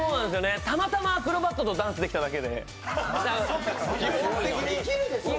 たまたまアクロバットとダンスができただけで。